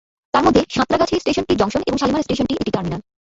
তারমধ্যে সাঁতরাগাছি স্টেশনটি জংশন এবং শালিমার স্টেশনটি একটি টার্মিনাল।